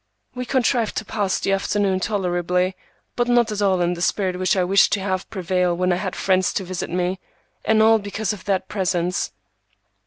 We contrived to pass the afternoon tolerably, but not at all in the spirit which I wished to have prevail when I had friends to visit me, and all because of that presence.